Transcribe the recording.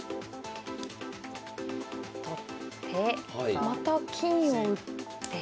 取ってまた金を打って。